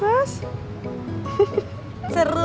biasa tahu deh